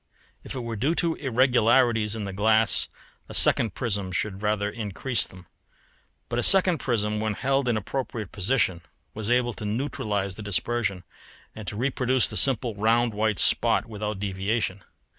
If it were due to irregularities in the glass a second prism should rather increase them, but a second prism when held in appropriate position was able to neutralise the dispersion and to reproduce the simple round white spot without deviation.